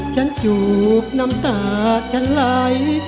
จูบน้ำตาฉันไหล